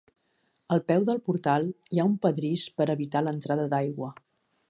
Al peu del portal hi ha un pedrís per a evitar l'entrada d'aigua.